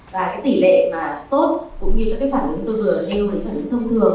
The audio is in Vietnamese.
và tỷ lệ sốt cũng như các phản ứng từ điều thông thường